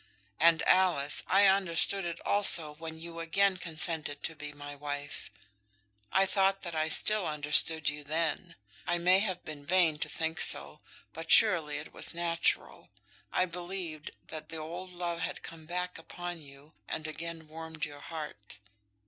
"And, Alice, I understood it also when you again consented to be my wife. I thought that I still understood you then. I may have been vain to think so, but surely it was natural. I believed that the old love had come back upon you, and again warmed your heart.